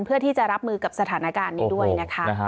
เพื่อที่จะรับมือกับสถานการณ์นี้ด้วยนะคะ